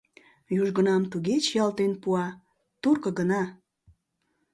Южгунам туге чиялтен пуа, турко гына!